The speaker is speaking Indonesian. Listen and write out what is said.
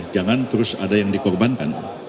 jangan terus ada yang dikorbankan